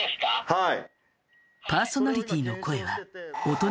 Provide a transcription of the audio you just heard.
はい。